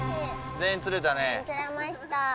全員釣れました。